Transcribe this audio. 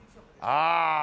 ああ。